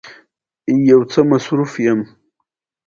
ځینې نوعې انسان شاوخوا څوارلس تر شپاړس زره کاله مخکې امریکا ته ولاړ.